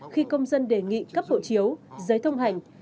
khi công dân đề nghị cấp hộ chiếu giấy thông hành